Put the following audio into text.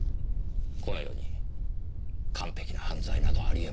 この世に完璧な犯罪などありえません。